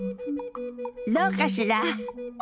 どうかしら？